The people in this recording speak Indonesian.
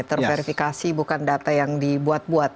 terverifikasi bukan data yang dibuat buat